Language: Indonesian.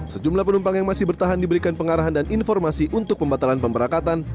sejumlah penumpang yang masih bertahan diberikan pengarahan dan informasi untuk pembatalan pemberangkatan